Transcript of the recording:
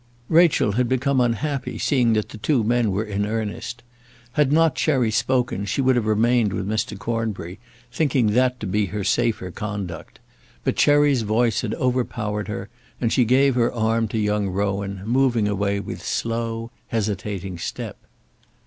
Rachel had become unhappy seeing that the two men were in earnest. Had not Cherry spoken she would have remained with Mr. Cornbury, thinking that to be her safer conduct; but Cherry's voice had overpowered her, and she gave her arm to young Rowan, moving away with slow, hesitating step.